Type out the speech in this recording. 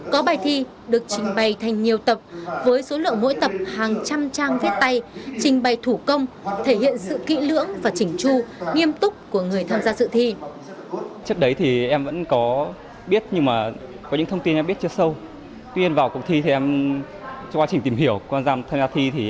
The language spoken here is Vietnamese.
có bài thi được trình bày thành nhiều tập với số lượng mỗi tập hàng trăm trang viết tay trình bày thủ công thể hiện sự kỹ lưỡng và chỉnh chu nghiêm túc của người tham gia dự thi